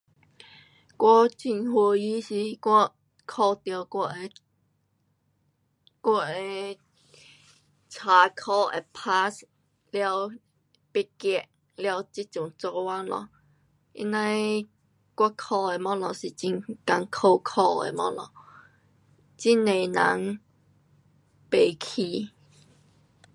我很高兴时我考到我的我的书考可以 [pass] 了毕业了现做工 lor 因为我考的东西是很难考的东西很多人不起